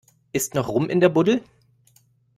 Ist noch Rum in der Buddel?